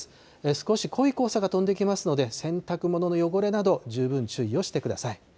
少し濃い黄砂が飛んできますので、洗濯物の汚れなど、十分注意をしてください。